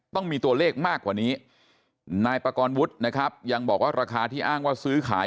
ต้องมีตัวเลขมากกว่านี้นายปากรวุฒินะครับยังบอกว่าราคาที่อ้างว่าซื้อขาย